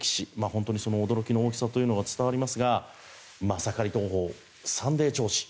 本当に驚きの大きさというのが伝わりますがマサカリ投法、サンデー兆治